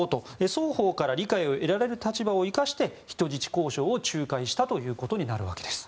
双方から理解を得られる立場を生かして人質交渉を仲介したということになるわけです。